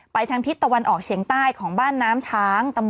ทางทิศตะวันออกเฉียงใต้ของบ้านน้ำช้าง